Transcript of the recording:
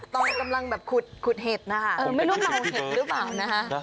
ตอนกำลังแบบขุดเห็ดนะคะไม่รู้เมาเห็ดหรือเปล่านะคะ